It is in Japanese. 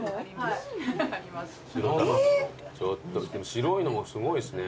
白いのがすごいですね。